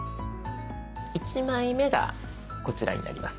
１枚目がこちらになります。